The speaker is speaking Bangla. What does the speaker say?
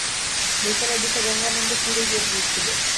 বৈকালের দিকে গঙ্গানন্দপুরে গিয়া পৌঁছিল।